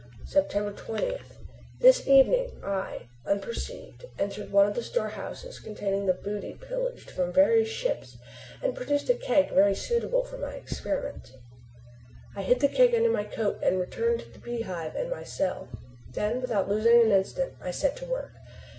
September 20. This evening, I, unperceived, entered one of the store houses containing the booty pillaged from various ships and procured a keg very suitable for my experiment. I hid the keg under my coat, and returned to the Beehive and my cell. Then without losing an instant I set to work.